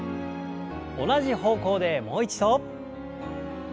同じ方向でもう一度。